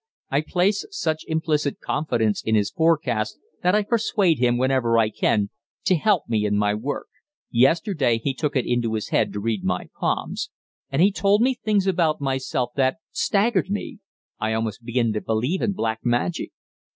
"I place such implicit confidence in his forecasts that I persuade him, whenever I can, to help me in my work. Yesterday he took it into his head to read my palms, and he told me things about myself that staggered me I almost begin to believe in black magic!"